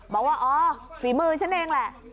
บอกว่าอ๋อฝีมือฉันเองแหละ